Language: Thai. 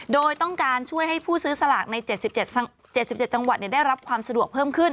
โดยต้องการช่วยให้ผู้ซื้อสลากใน๗๗จังหวัดได้รับความสะดวกเพิ่มขึ้น